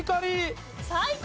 最高。